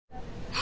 あ！